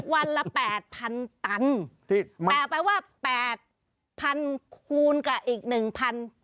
วันละแปดพันตันติดมาแต่แปลว่าแปดพันคูณกับอีกหนึ่งพัน